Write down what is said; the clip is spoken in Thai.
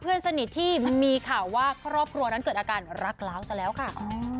เพื่อนสนิทที่มีข่าวว่าครอบครัวนั้นเกิดอาการรักล้าวซะแล้วค่ะ